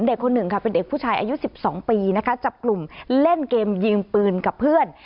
เด็กคนหนึ่งค่ะเป็นเด็กผู้ชายอายุ๑๒ปีนะคะจับกลุ่มเล่นเกมยิงปืนกับเพื่อน